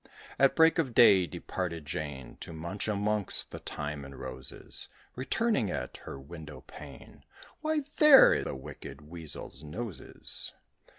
At break of day departed Jane, To munch amongst the thyme and roses, Returning, at her window pane "Why, there the wicked Weasel's nose is!"